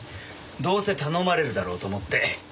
どうせ頼まれるだろうと思って。